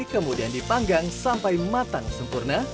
kemudian dipanggang sampai matang sempurna